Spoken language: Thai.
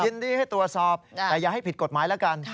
ยินดีให้ตรวจสอบแต่อย่าให้ผิดกฎหมายแล้วกัน